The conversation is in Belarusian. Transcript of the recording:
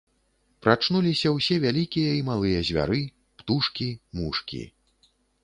Прачнуліся ўсе вялікія і малыя звяры, птушкі, мушкі.